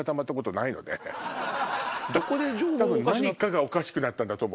多分何かがおかしくなったんだと思う。